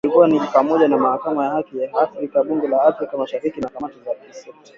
Ikiwa ni pamoja na Mahakama ya Haki ya Afrika, Bunge la Afrika Mashariki na kamati za kisekta.